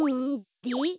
で？